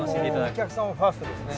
お客様ファーストですね。